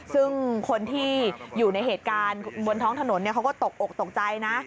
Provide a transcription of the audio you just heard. ซึ่งคนที่อยู่ในเหตุการณ์บนท้องถนนเขาก็ตกอกตกใจนะ